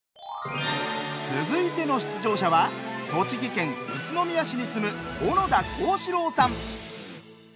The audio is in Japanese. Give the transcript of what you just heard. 続いての出場者は栃木県宇都宮市に住む小野田皓志郎さん。